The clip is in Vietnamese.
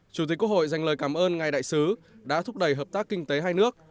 chủ tịch quốc hội dành lời cảm ơn ngài đại sứ đã thúc đẩy hợp tác kinh tế hai nước